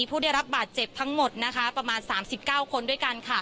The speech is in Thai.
พูดสิทธิ์ข่าวธรรมดาทีวีรายงานสดจากโรงพยาบาลพระนครศรีอยุธยาครับ